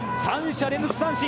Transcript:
３者連続三振。